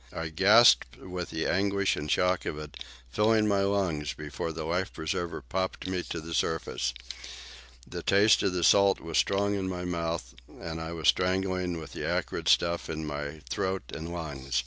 I gasped with the anguish and shock of it, filling my lungs before the life preserver popped me to the surface. The taste of the salt was strong in my mouth, and I was strangling with the acrid stuff in my throat and lungs.